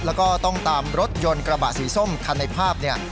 แล้วก็ต้องตามรถยนต์กระบะสีส้มคันในภาพ